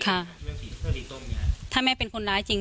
ค่ะที่เป็นสภิตรตรงแบบถ้าแม่เป็นคนร้ายจริง